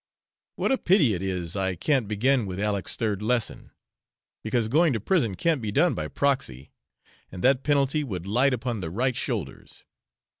What a pity it is I can't begin with Aleck's third lesson, because going to prison can't be done by proxy, and that penalty would light upon the right shoulders!